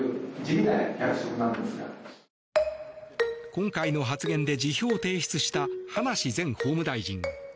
今回の発言で辞表を提出した葉梨前法務大臣。